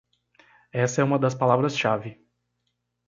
Essa é uma das palavras-chave